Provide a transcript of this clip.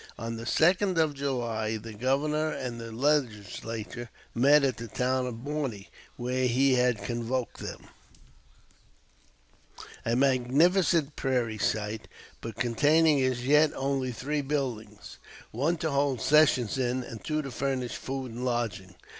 On the 2d of July the Governor and the Legislature met at the town of Pawnee, where he had convoked them a magnificent prairie site, but containing as yet only three buildings, one to hold sessions in, and two to furnish food and lodging.